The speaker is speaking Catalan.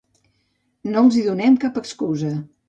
No els hi donem cap excusa.